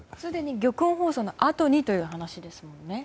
玉音放送のあとにという話ですもんね。